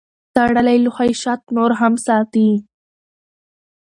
تړلی لوښی شات نور هم ساتي.